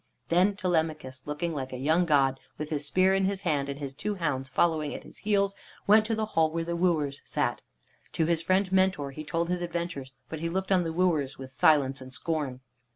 Then Telemachus, looking like a young god, with his spear in his hand and his two hounds following at his heels, went to the hall where the wooers sat. To his friend Mentor he told his adventures, but he looked on the wooers with silence and scorn.